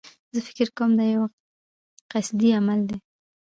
زه فکر کوم دایو قصدي عمل دی.